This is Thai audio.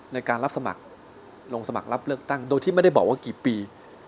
ในการรับสมัครลงสมัครรับเลือกตั้งโดยที่ไม่ได้บอกว่ากี่ปี